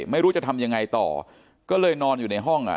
ไม่รู้จะทำยังไงต่อก็เลยนอนอยู่ในห้องอ่ะ